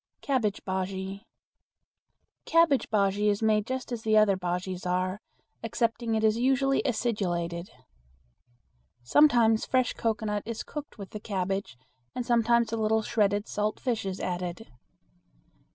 Cabbage Bujea. Cabbage bujea is made just as other bujeas are, excepting it is usually acidulated. Sometimes fresh cocoanut is cooked with the cabbage and sometimes a little shredded salt fish is added.